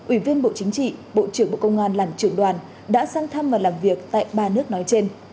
ủy viên bộ chính trị bộ trưởng bộ công an làm trưởng đoàn đã sang thăm và làm việc tại ba nước nói trên